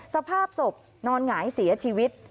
สภาพศพนอนหงายเสียชีวิต